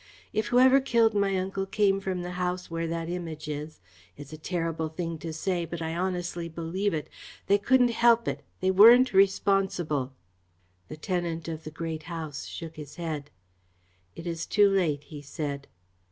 If whoever killed my uncle came from the house where that Image is it's a terrible thing to say, but I honestly believe it they couldn't help it, they weren't responsible." The tenant of the Great House shook his head. "It is too late," he said.